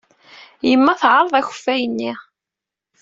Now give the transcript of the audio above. Yemma teɛreḍ akeffay-nni.